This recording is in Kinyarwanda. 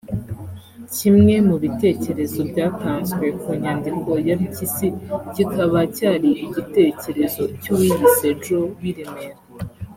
Kimwe mu bitekerezo byatanzwe ku nyandiko ya Mpyisi kikaba cyari igitekerezo cy’uwiyise Joe w’i Remera